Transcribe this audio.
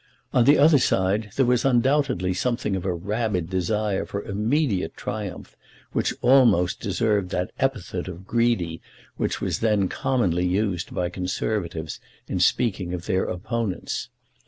On the other side, there was undoubtedly something of a rabid desire for immediate triumph, which almost deserved that epithet of greedy which was then commonly used by Conservatives in speaking of their opponents.